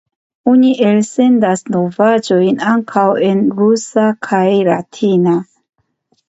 Oni elsendas novaĵojn ankaŭ en rusa kaj latina.